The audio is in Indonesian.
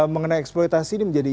mengenai eksploitasi ini menjadi